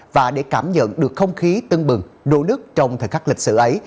và để cảm nhận được không khí tưng bừng nô nước trong thời khắc lịch sử ấy